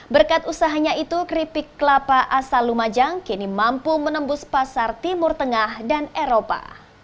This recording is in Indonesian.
berkat usahanya itu keripik kelapa asal lumajang kini mampu menembus pasar timur tengah dan eropa